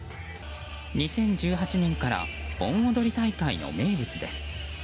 ２０１８年から盆踊り大会の名物です。